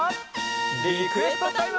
リクエストタイム！